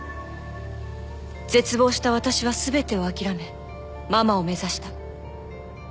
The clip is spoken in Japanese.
絶望した私は全てを諦めママを目指した。